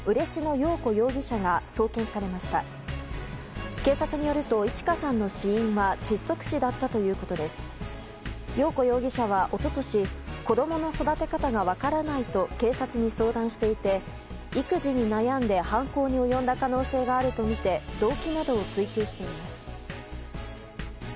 陽子容疑者は一昨年子供の育て方が分からないと警察に相談していて育児に悩んで犯行に及んだ可能性があるとみて動機などを追及しています。